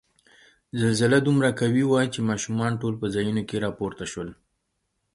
زلزله دومره قوي وه چې ماشومان ټول په ځایونو کې را پورته شول.